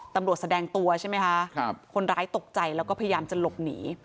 ตำรวจแสดงตัวใช่ไหมคะคนร้ายตกใจแล้วก็พยายามจะหลบหนี